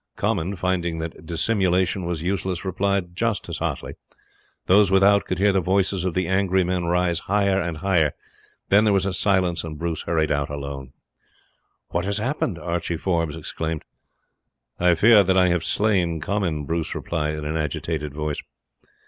Comyn, finding that dissimulation was useless, replied as hotly. Those without could hear the voices of the angry men rise higher and higher; then there was a silence, and Bruce hurried out alone. "What has happened?" Archie Forbes exclaimed. "I fear that I have slain Comyn," Bruce replied in an agitated voice.